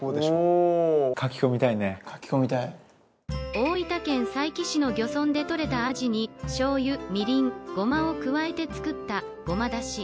大分県佐伯市の漁村でとれたアジにしょうゆ、みりん、ごまを加えて作ったごまだし。